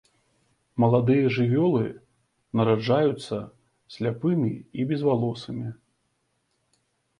Маладыя жывёлы нараджаюцца сляпымі і безвалосымі.